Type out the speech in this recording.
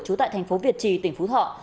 chú tại thành phố việt trì tỉnh phú thọ